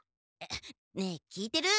ねえ聞いてる？